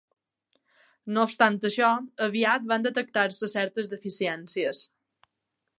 No obstant això, aviat van detectar-se certes deficiències.